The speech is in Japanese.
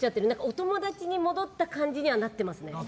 お友達に戻った感じにはなってますね。